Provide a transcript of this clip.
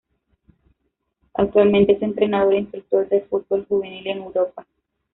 Actualmente es entrenador e instructor de fútbol juvenil en Europa.